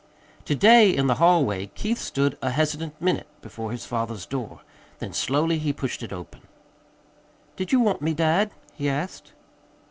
To day, in the hallway, Keith stood a hesitant minute before his father's door. Then slowly he pushed it open. "Did you want me, dad?" he asked.